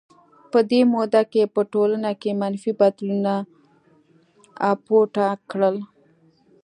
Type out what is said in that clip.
په دې موده کې په ټولنه کې منفي بدلونونو اپوټه کړل.